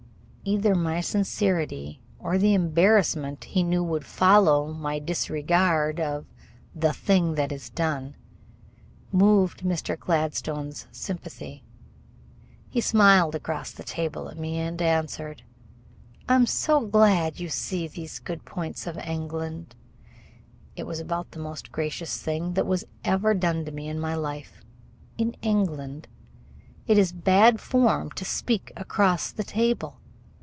Either my sincerity or the embarrassment he knew would follow my disregard of "the thing that is done" moved Mr. Gladstone's sympathy. He smiled across the table at me and answered, "I am so glad you see these good points of England." It was about the most gracious thing that was ever done to me in my life. In England it is bad form to speak across the table.